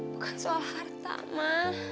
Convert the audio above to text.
bukan soal harta ma